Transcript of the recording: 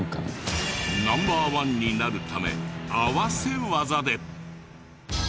Ｎｏ．１になるため合わせ技で。